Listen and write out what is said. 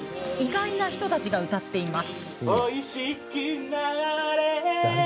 意外な人たちが歌っています。